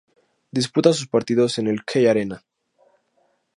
Disputa sus partidos en el Key Arena.